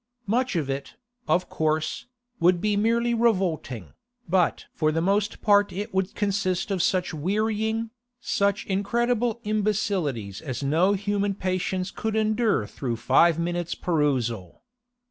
Much of it, of course, would be merely revolting, but for the most part it would consist of such wearying, such incredible imbecilities as no human patience could endure through five minutes' perusal.